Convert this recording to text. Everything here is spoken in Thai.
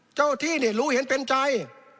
เจ้าที่รู้เห็นเป็นใจ